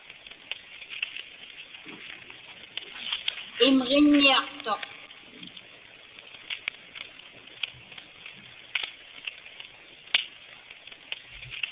Imġiññiaqtuq.